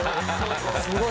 「すごい。